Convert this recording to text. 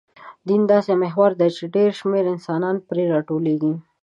دین داسې محور دی، چې ډېر شمېر انسانان پرې راټولېږي.